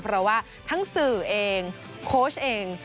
เพราะว่าทั้งสื่อเองโค้ชเอง